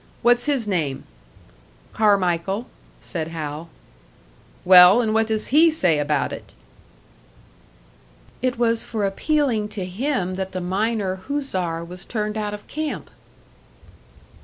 "What's his name?" "Carmichael," said Hal. "Well, and what does he say about it?" "It was for appealing to him that the miner, Huszar, was turned out of camp."